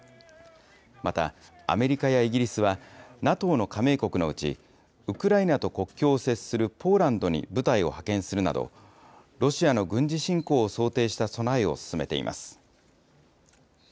また、アメリカやイギリスは、ＮＡＴＯの加盟国のうち、ウクライナと国境を接するポーランドに部隊を派遣するなど、ロシアの軍事侵攻を想定した備えを進めています。